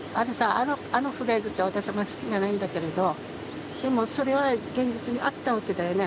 あのフレーズって私も好きじゃないんだけど、でも、それは現実にあったわけだよね。